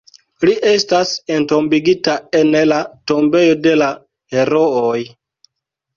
Li estas entombigita en la Tombejo de la Herooj.